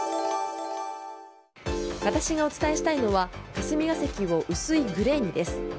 私がお伝えしたいのは霞が関を薄いグレーにです。